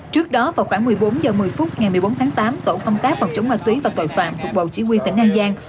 trước đó vào khoảng một mươi bốn h một mươi phút ngày một mươi bốn tháng tám tổ công tác phòng chống ma túy và tội phạm thuộc bộ chỉ huy tỉnh an giang